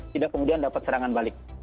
tidak kemudian dapat serangan balik